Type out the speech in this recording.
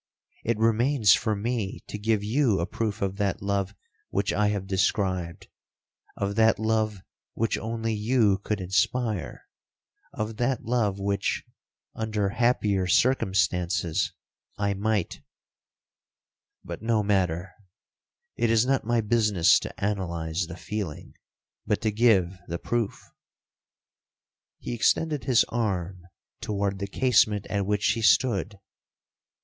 It remains for me to give you a proof of that love which I have described—of that love which only you could inspire—of that love which, under happier circumstances, I might—But no matter—it is not my business to analyse the feeling, but to give the proof.' He extended his arm toward the casement at which she stood.